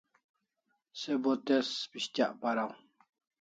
Se bo tez pis'tyak paraw